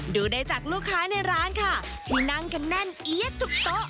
ดูได้จากลูกค้าในร้านค่ะที่นั่งกันแน่นเอี๊ยดทุกโต๊ะ